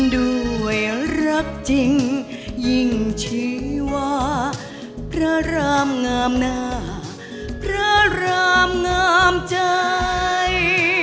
ด้วยรักจริงยิ่งชี้ว่าพระรามงามหน้าพระรามงามใจ